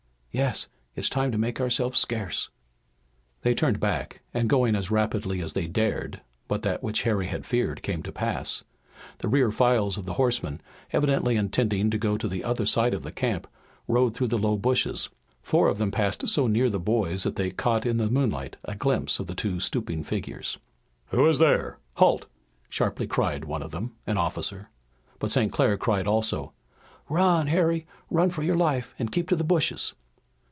"Yes, it's time to make ourselves scarce." They turned back, going as rapidly as they dared, but that which Harry had feared came to pass. The rear files of the horsemen, evidently intending to go to the other side of the camp, rode through the low bushes. Four of them passed so near the boys that they caught in the moonlight a glimpse of the two stooping figures. "Who is there? Halt!" sharply cried one of them, an officer. But St. Clair cried also: "Run, Harry! Run for your life, and keep to the bushes!"